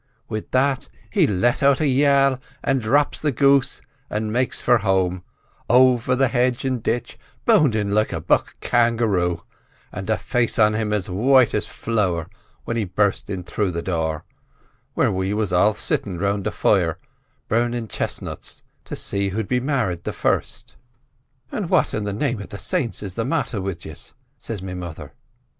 Wid that he let wan yell an' drops the goose an' makes for home, over hedge an' ditch, boundin' like a buck kangaroo, an' the face on him as white as flour when he burst in through the door, where we was all sittin' round the fire burnin' chestnuts to see who'd be married the first. "'An' what in the name of the saints is the mather wid yiz?' says me mother.